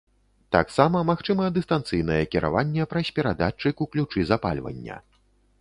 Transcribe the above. Таксама магчыма дыстанцыйнае кіраванне праз перадатчык у ключы запальвання.